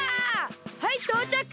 はいとうちゃく！